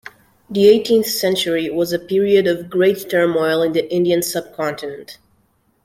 The eighteenth century was a period of great turmoil in the Indian subcontinent.